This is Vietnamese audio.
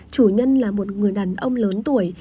chủ nhân là một người đàn ông lớn tuổi